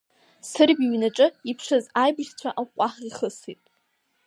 Сырбеи иҩнаҿы иԥшыз аибашьцәа аҟәҟәаҳәа ихысит.